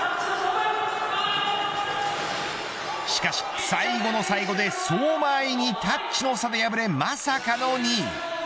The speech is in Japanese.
しかし、最後の最後で相馬あいにタッチの差で敗れまさかの２位。